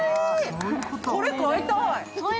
これ買いたい。